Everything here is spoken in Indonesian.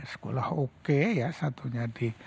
sekolah oke ya satunya di